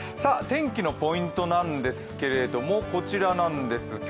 天気のポイントなんですがこちらなんです。